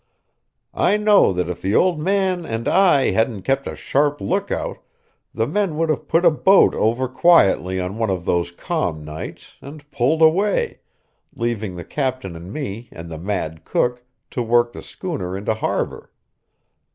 I know that if the old man and I hadn't kept a sharp lookout the men would have put a boat over quietly on one of those calm nights, and pulled away, leaving the captain and me and the mad cook to work the schooner into harbour.